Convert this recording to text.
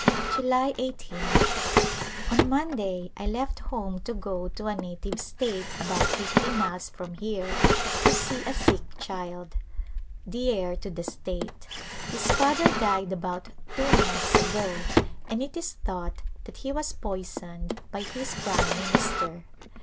July i8th. On Monday I left home to go to a native state about fifty miles from here to see a sick child, the heir to the state. His father died about two months ago, and it is thought that he was poisoned by his prime minister.